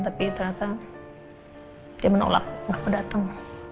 tapi ternyata dia menolak aku datang